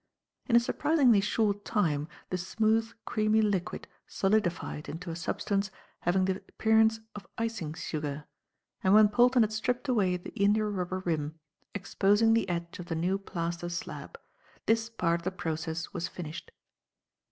In a surprisingly short time, the smooth, creamy liquid solidified into a substance having the appearance of icing sugar, and when Polton had stripped away the india rubber rim, exposing the edge of the new plaster slab, this part of the process was finished.